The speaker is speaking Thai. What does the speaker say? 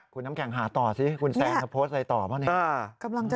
คุณน้ำแกงหาต่อสิคุณแซนจะโพสต์อะไรต่อบ้าง